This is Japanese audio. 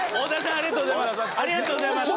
ありがとうございます。